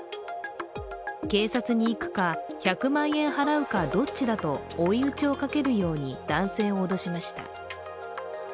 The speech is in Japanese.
警察に行くか、１００万円払うかどっちだと追い打ちをかけるように男性を脅しました。